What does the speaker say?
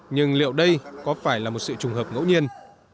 nhưng liệu đây có phải là một sự trùng hợp ngẫu nhiên